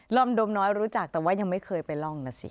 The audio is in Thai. อมโดมน้อยรู้จักแต่ว่ายังไม่เคยไปร่องนะสิ